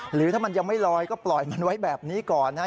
หรือถ้ามันยังไม่ลอยก็ปล่อยมันไว้แบบนี้ก่อนนะฮะ